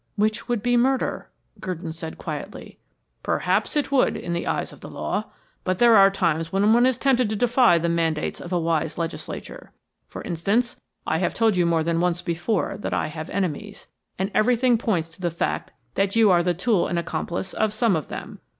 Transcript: "Which would be murder," Gurdon said quietly. "Perhaps it would, in the eyes of the law; but there are times when one is tempted to defy the mandates of a wise legislature. For instance, I have told you more than once before that I have enemies, and everything points to the fact that you are the tool and accomplice of some of them.